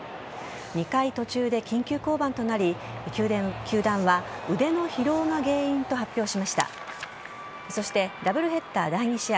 ２回途中で緊急降板となり球団は腕の疲労が原因と発表しましたがそしてダブルヘッダー第２試合。